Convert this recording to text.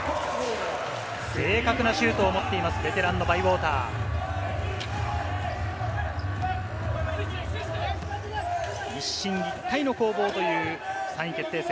正確なシュートを持っています、ベテランのバイウォーター。一進一退の攻防という３位決定戦。